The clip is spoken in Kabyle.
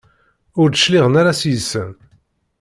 Ur d-cliɛen ara seg-wen?